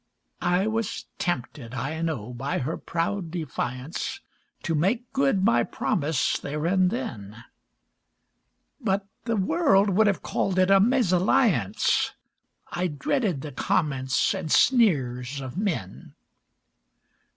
I was tempted, I know, by her proud defiance, To make good my promise there and then. But the world would have called it a mesalliance! I dreaded the comments and sneers of men.